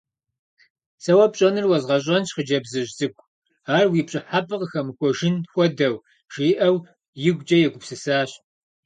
Сэ уэ пщӏэнур уэзгъэщӏэнщ, хъыджэбзыжь цӏыкӏу, ар уи пщӏыхьэпӏэ къыхэмыхуэжын хуэдэу,— жиӏэу игукӏэ егупсысащ.